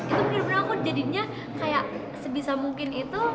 itu bener bener aku jadinya kayak sebisa mungkin itu